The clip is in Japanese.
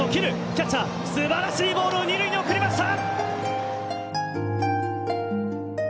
キャッチャー、すばらしいボールを二塁に送りました！